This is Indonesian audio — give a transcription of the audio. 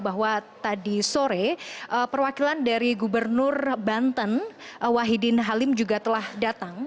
bahwa tadi sore perwakilan dari gubernur banten wahidin halim juga telah datang